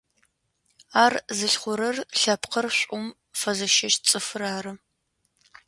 Ар зылъыхъурэр лъэпкъыр шӏум фэзыщэщт цӏыфыр ары.